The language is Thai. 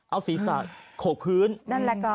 เอาศีรษะขกพื้น